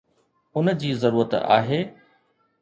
ان جي ضرورت آهي؟